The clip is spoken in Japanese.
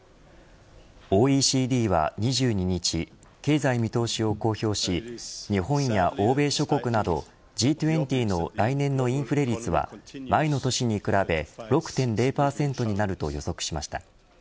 ＯＥＣＤは２２日経済見通しを公表し日本や欧米諸国などＧ２０の来年のインフレ率は前の年に比べ６．０％になると予測しました。